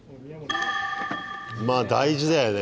まあ大事だよね